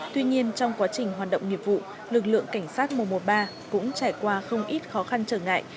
tuy nhiên trong quá trình hoạt động nghiệp vụ lực lượng cảnh sát mùa mùa ba cũng trải qua không ít khó khăn trở ngại